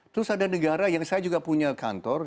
terus ada negara yang saya juga punya kantor